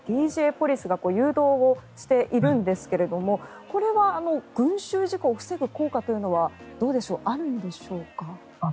ＤＪポリスが誘導をしているんですがこれは群集事故を防ぐ効果というのはあるんでしょうか。